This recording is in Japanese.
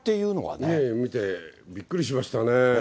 ねぇ、見てびっくりしましたね。